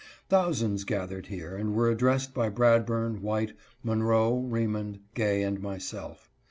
Thousands gathered here and were addressed by Brad burn, White, Monroe, Remond, Gay, and myself.